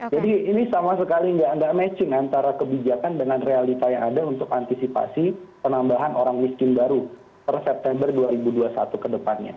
jadi ini sama sekali tidak ada matching antara kebijakan dengan realita yang ada untuk antisipasi penambahan orang miskin baru per september dua ribu dua puluh satu ke depannya